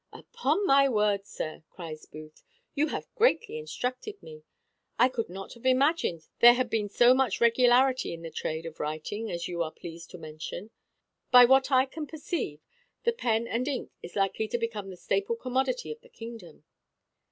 "Upon my word, sir," cries Booth, "you have greatly instructed me. I could not have imagined there had been so much regularity in the trade of writing as you are pleased to mention; by what I can perceive, the pen and ink is likely to become the staple commodity of the kingdom."